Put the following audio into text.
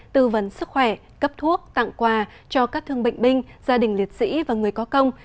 tư vấn sức khỏe cấp thuốc tặng quà cho các thương bệnh binh gia đình liệt sĩ và người có công